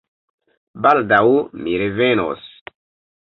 Baldaŭ mi revenos.